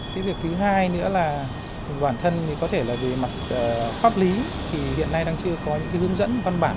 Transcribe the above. cái việc thứ hai nữa là bản thân có thể là về mặt pháp lý thì hiện nay đang chưa có những hướng dẫn văn bản